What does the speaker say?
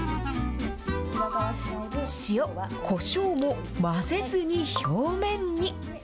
塩、こしょうも混ぜずに表面に。